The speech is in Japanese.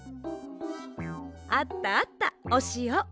あったあったおしお。